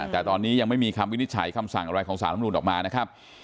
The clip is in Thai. แต่ตอนนี้ไม่มีคำวินิจฉัยคำสั่งอะไรของศาลฯหรือหลุ่นออกมา